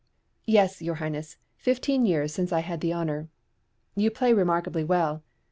"Yes, your highness; fifteen years since I had the honour" "You play remarkably well."